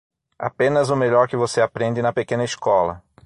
Apenas o melhor que você aprende na pequena escola.